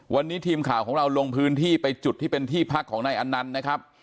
วันนี้ทีมข่าวของเราลงพื้นที่ไปจุดที่เป็นที่พักของนายอนันต์นะครับ